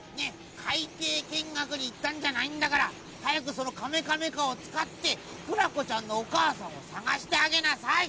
かいていけんがくにいったんじゃないんだからはやくそのカメカメカをつかってクラコちゃんのおかあさんをさがしてあげなさい！